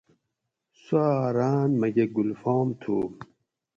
سوآں ران میکہ گلفام تھو